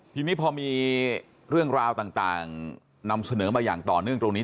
ทีนี้พอมีเรื่องราวต่างนำเสนอมาอย่างต่อเนื่องตรงนี้